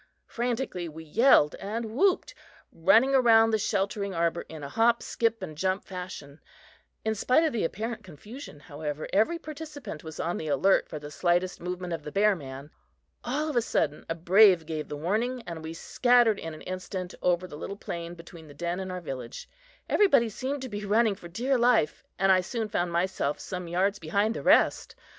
Frantically we yelled and whooped, running around the sheltering arbor in a hop, skip and jump fashion. In spite of the apparent confusion, however, every participant was on the alert for the slightest movement of the bear man. All of a sudden, a brave gave the warning, and we scattered in an instant over the little plain between the den and our village. Everybody seemed to be running for dear life, and I soon found myself some yards behind the rest.